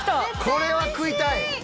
これは食いたい！